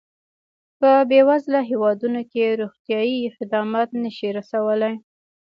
په بېوزله هېوادونو کې روغتیایي خدمات نه شي رسولای.